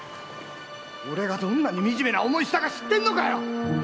俺がどんなにみじめな思いしたか知ってんのかよ！